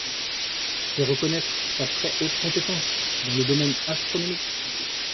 C’est reconnaître sa très haute compétence dans le domaine astronomique.